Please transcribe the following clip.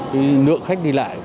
cái lượng khách đi lại